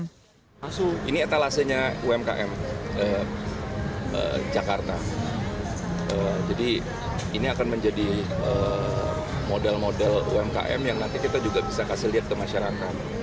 beragam pilihan kuliner tersedia mulai dari makanan berat jajanan hingga minuman tradisional